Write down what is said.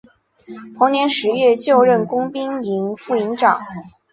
同年十月就任工兵营副营长。